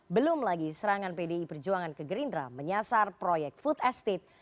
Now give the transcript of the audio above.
belum lagi serangan pdi perjuangan ke gerindra menyasar proyek food estate